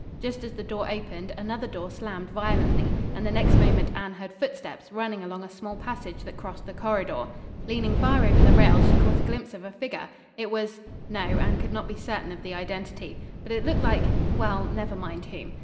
Just as the door opened, another door slammed violently, and the next moment Anne heard footsteps running along a small passage that crossed the corridor. Leaning far over the rail she caught a glimpse of a figure. It was no, Anne could not be certain of the identity. But it looked like well, never mind whom.